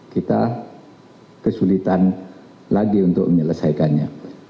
kita kesulitan lagi untuk menyelesaikannya